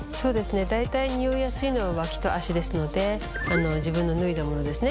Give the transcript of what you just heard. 大体ニオイやすいのは脇と足ですので自分の脱いだものですね